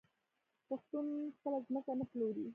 پښتون خپله ځمکه نه پلوري.